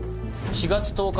４月１０日。